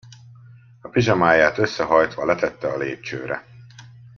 A pizsamáját összehajtva letette a lépcsőre.